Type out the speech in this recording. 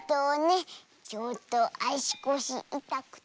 ちょっとあしこしいたくてねえ。